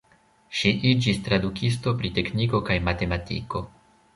Ŝi iĝis tradukisto pri tekniko kaj matematiko.